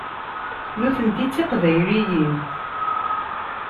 Nutenti d tiqbayliyin.